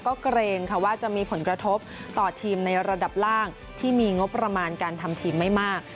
ก็เกรงค่ะว่าจะมีผลกระทบต่อทีมในระดับล่างที่มีงบประมาณการทำทีมไม่มาก